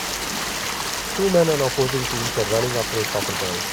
Two men on opposing teams are running after a soccer ball.